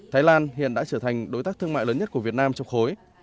thái lan hiện đã trở thành đối tác thương mại lớn nhất của việt nam trong khối